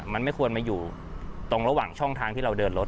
มันไม่ควรมาอยู่ตรงระหว่างช่องทางที่เราเดินรถ